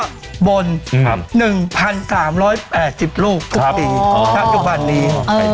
ครับพอผมสำเร็จผมก็บน๑๓๘๐ลูกทุกปีทั้งจุดพันธ์นี้